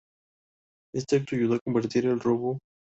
Este acto ayudó a convertir el robo en un explosivo escándalo político.